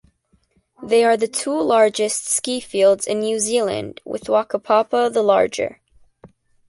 They are the two largest ski fields in New Zealand, with Whakapapa the larger.